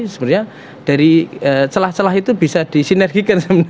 sebenarnya dari celah celah itu bisa disinergi dengan airnya sendiri